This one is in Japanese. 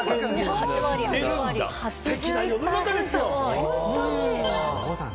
ステキな世の中ですよ。